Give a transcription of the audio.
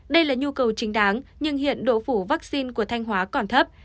đây là nhu cầu chính đáng nhưng hiện độ phủ vaccine của thanh hóa còn thấp